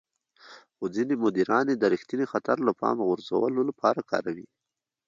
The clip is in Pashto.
خو ځينې مديران يې د رېښتيني خطر له پامه غورځولو لپاره کاروي.